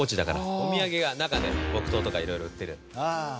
お土産が中で木刀とか色々売ってる。